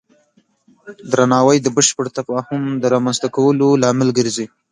درناوی د بشپړ تفاهم د رامنځته کولو لامل ګرځي.